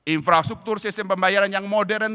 infrastruktur sistem pembayaran yang modern